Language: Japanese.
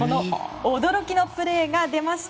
驚きのプレーが出ました。